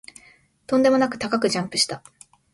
とんでもなく高くジャンプした